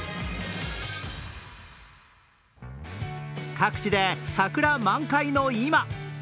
各地で桜満開の今。